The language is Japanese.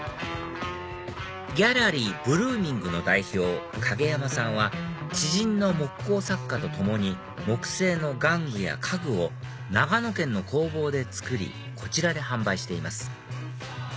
ギャラリーＢｌｏｏｍｉｎｇの代表影山さんは知人の木工作家とともに木製の玩具や家具を長野県の工房で作りこちらで販売しています